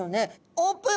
オープン！